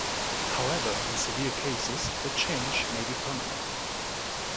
However, in severe cases, the change may be permanent.